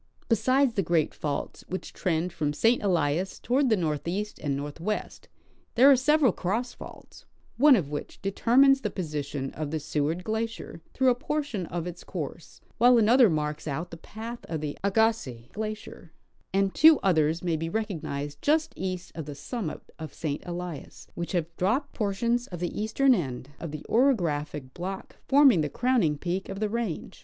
Besides the great faults Avhich trend from St. Elias toward the northeast and northwest, there are several cross faults, one of which determines the position of the Seward glacier through a portion of its course, while another marks out the path of the Agassiz glacier ; and two others may be recognized just east of the summit of St. Elias, which have dropj^ed por tions of the eastern end of the orographic block forming the crowning peak of the range.